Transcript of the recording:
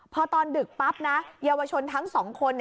พอตอนดึกปั๊บนะเยาวชนทั้งสองคน